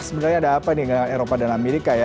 sebenarnya ada apa nih dengan eropa dan amerika ya